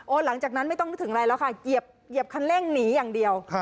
หลังจากนั้นไม่ต้องนึกถึงอะไรแล้วค่ะเหยียบคันเร่งหนีอย่างเดียว